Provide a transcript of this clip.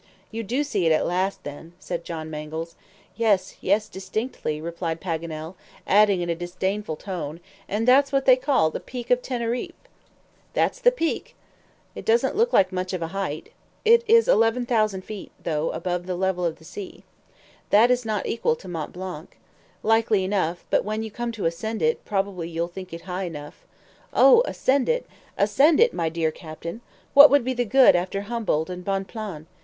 "You do see it at last, then," said John Mangles. "Yes, yes, distinctly," replied Paganel, adding in a disdainful tone, "and that's what they call the Peak of Teneriffe!" "That's the Peak." "It doesn't look much of a height." "It is 11,000 feet, though, above the level of the sea." "That is not equal to Mont Blanc." "Likely enough, but when you come to ascend it, probably you'll think it high enough." "Oh, ascend it! ascend it, my dear captain! What would be the good after Humboldt and Bonplan?